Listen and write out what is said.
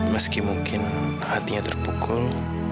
meski mungkin hatinya terpukul